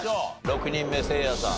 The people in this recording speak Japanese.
６人目せいやさん